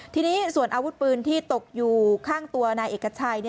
ทีนี้ส่วนอาวุธปืนที่ตกอยู่ข้างตัวนายเอกชัย